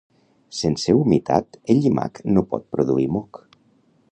Sense humitat, el llimac no pot produir moc